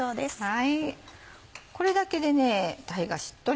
これだけで鯛がしっとりと。